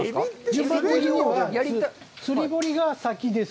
順番的には釣堀が先です。